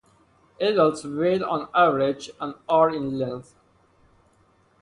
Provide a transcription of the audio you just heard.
Adults weigh on average and are in length.